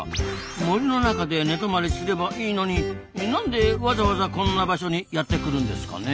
森の中で寝泊まりすればいいのになんでわざわざこんな場所にやってくるんですかね？